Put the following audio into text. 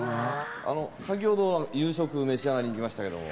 先ほど夕食召し上がりに行きましたけれども。